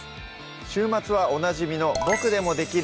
週末はおなじみの「ボクでもできる！